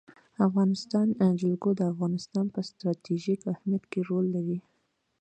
د افغانستان جلکو د افغانستان په ستراتیژیک اهمیت کې رول لري.